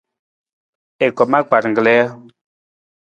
I kom akpar kali ja?